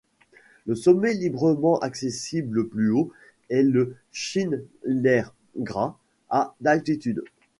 Le sommet librement accessible le plus haut est le Schindlergrat, à d’altitude.